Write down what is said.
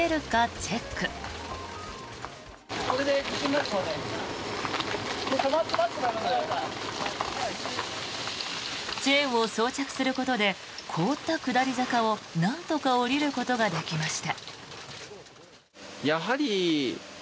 チェーンを装着することで凍った下り坂をなんとか下りることができました。